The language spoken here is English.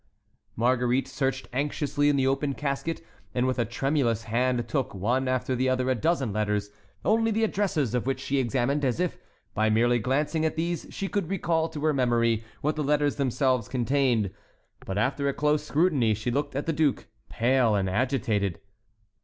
Marguerite searched anxiously in the open casket, and with a tremulous hand took, one after the other, a dozen letters, only the addresses of which she examined, as if by merely glancing at these she could recall to her memory what the letters themselves contained; but after a close scrutiny she looked at the duke, pale and agitated.